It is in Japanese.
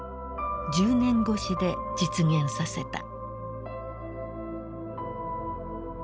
１０年越しで実現させた。